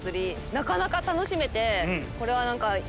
なかなか楽しめて。